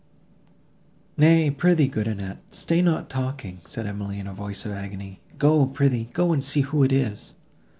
"Nay, pr'ythee, good Annette, stay not talking," said Emily in a voice of agony—"Go, pr'ythee, go, and see who it is."